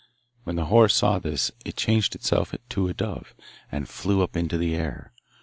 When the horse saw this it changed itself to a dove, and flew up into the air.